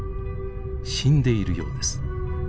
死んでいるようです。